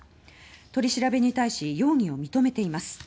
取り調べに対し容疑を認めています。